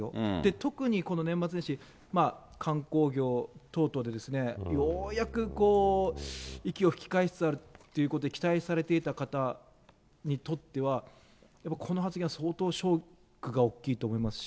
特にこの年末年始、観光業等々、ようやく息を吹き返しつつあるということで期待されていた方にとっては、この発言は相当ショックが大きいと思いますし。